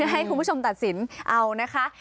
ให้คุณผู้ชมตัดสินเอานะคะ